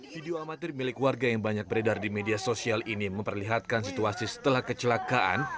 video amatir milik warga yang banyak beredar di media sosial ini memperlihatkan situasi setelah kecelakaan